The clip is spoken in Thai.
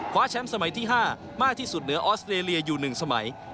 แชมป์สมัยที่๕มากที่สุดเหนือออสเตรเลียอยู่๑สมัย